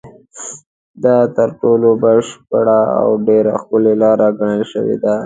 دا تر ټولو بشپړه او ډېره ښکلې لاره ګڼل شوې ده.